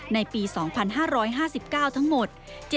ในปี๒๕๕๙ทั้งหมด